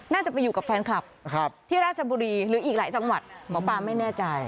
น่าจะไปอยู่กับแฟนคลับที่ราชบุรีหรืออีกหลายจังหวัดหมอปลาไม่แน่ใจ